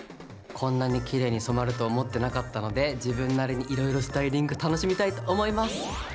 こんなにきれいに染まると思ってなかったので自分なりにいろいろスタイリング楽しみたいと思います。